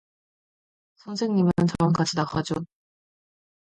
선생님은 저랑 같이 나가죠